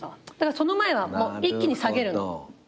その前は一気に下げるの。